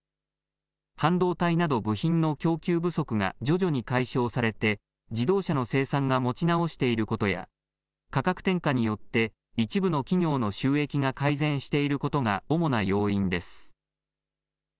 半導体など部品の供給不足が徐々に解消されて自動車の生産が持ち直していることや価格転嫁によって一部の企業の収益が改善していることが主な要因です。